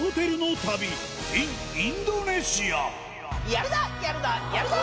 やるぞやるぞやるぞ！